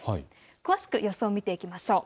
詳しく予想を見ていきましょう。